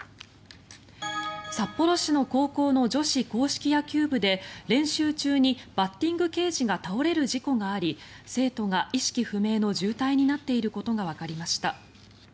札幌市の高校の女子硬式野球部で練習中にバッティングケージが倒れる事故があり生徒が意識不明の重体になっていることがわかりました。